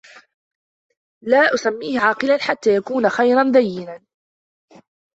لَا أُسَمِّيهِ عَاقِلًا حَتَّى يَكُونَ خَيِّرًا دَيِّنًا